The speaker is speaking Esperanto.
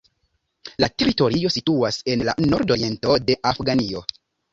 La teritorio situas en la nordoriento de Afganio.